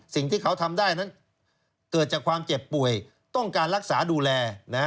สิ่งที่เขาทำได้นั้นเกิดจากความเจ็บป่วยต้องการรักษาดูแล